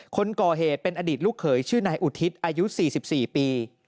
คนก่อเหตุเป็นอดีตลูกเขยชื่อนายอุทิศอายุ๔๔ปี